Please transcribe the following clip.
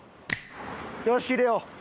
よし入れよう。